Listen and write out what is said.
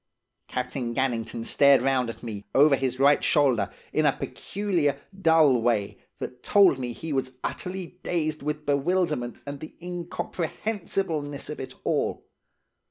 "Captain Gannington stared round at me, over his right shoulder, in a peculiar, dull way, that told me he was utterly dazed with bewilderment and the incomprehensibleness of it all.